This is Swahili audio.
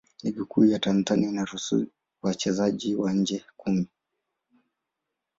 Ligi Kuu ya Tanzania inaruhusu wachezaji wa nje kumi.